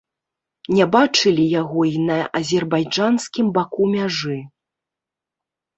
Не бачылі яго і на азербайджанскім баку мяжы.